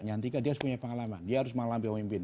nyantika dia harus punya pengalaman dia harus mengalami pemimpin